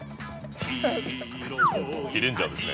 黄レンジャーですね。